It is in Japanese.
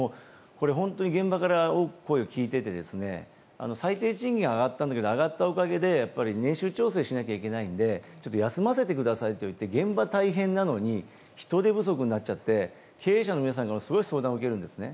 現場から多く声を聞いてて最低賃金は上がったんだけども年収調整しなきゃいけないので休ませてくださいといって現場が大変なのに人手不足になっちゃって経営者の皆さんからすごい相談を受けるんですね。